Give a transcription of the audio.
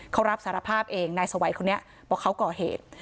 เขารับสารภาพเองนายสวัยคนนี้บอกเขาก่อเหตุ